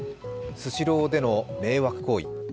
スシローでの迷惑行為。